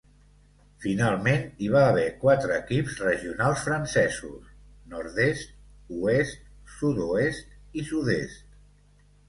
Finalment, hi va haver quatre equips regionals francesos: Nord-est, Oest, Sud-oest i Sud-est.